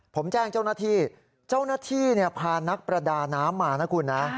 ผมแจ้งเจ้าหน้าที่เจ้าหน้าที่พานักประดาน้ำมานะคุณนะ